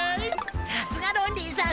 さすがロンリーさん。